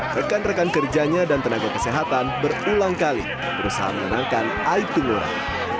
rekan rekan kerjanya dan tenaga kesehatan berulang kali berusaha menyenangkan aibda ngurah